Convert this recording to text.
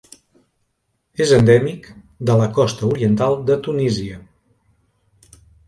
És endèmic de la costa oriental de Tunísia.